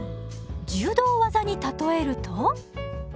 柔道技に例えると？